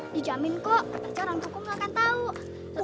dijamin kok tak jalan kuku ngelakkan tau